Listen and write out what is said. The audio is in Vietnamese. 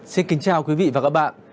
xin kính chào quý vị và các bạn